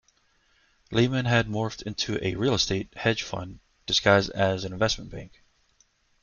Lehman had morphed into a real estate hedge fund disguised as an investment bank.